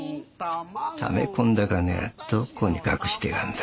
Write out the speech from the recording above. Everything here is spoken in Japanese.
ため込んだ金はどこに隠してやがんだ。